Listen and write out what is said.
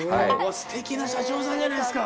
すてきな社長さんじゃないですか。